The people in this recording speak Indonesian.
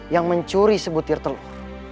yang mencuri sebutir telur